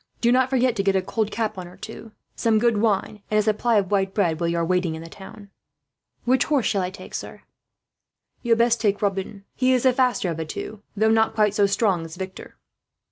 "Do not forget to get a cold capon or two, some good wine, and a supply of white bread, while you are waiting in the town." "Which horse shall I take, sir?" "You had best take Robin. He is the faster of the two, though not quite so strong as Victor."